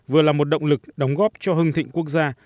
vừa là một động lực đóng góp cho hưng thịnh quốc gia